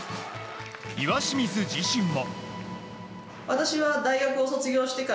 岩清水自身も。